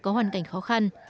có hoàn cảnh khó khăn